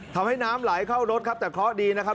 ทำให้น้ำไหลเข้ารถครับแต่เคราะห์ดีนะครับ